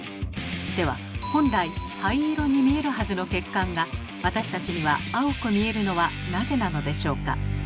では本来灰色に見えるはずの血管が私たちには青く見えるのはなぜなのでしょうか？